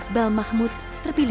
kembali ke tempat